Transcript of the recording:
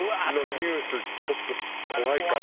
のニュースちょっと怖いかも。